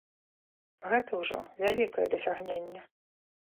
Гэта ўжо вялікае дасягненне!